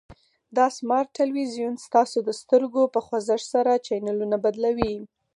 دا سمارټ تلویزیون ستاسو د سترګو په خوځښت سره چینلونه بدلوي.